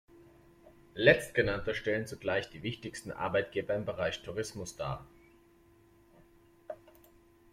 Letztgenannte stellen zugleich die wichtigsten Arbeitgeber im Bereich Tourismus dar.